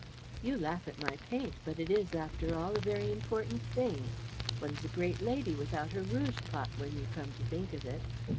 "You laugh at my paint, but it is, after all, a very important thing. What is a great lady without her rouge pot, when you come to think of it?